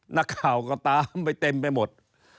นักข่าวก็ตามไปเต็มไปหมด